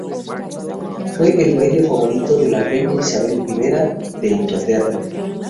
Fue el baile favorito de la reina Isabel I de Inglaterra.